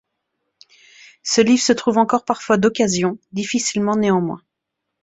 Ce livre se trouve encore parfois d'occasion, difficilement néanmoins.